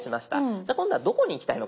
じゃあ今度は「どこに行きたいのか」